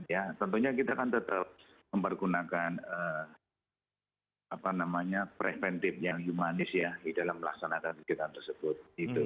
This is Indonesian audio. ya tentunya kita kan tetap mempergunakan preventif yang humanis ya di dalam melaksanakan kegiatan tersebut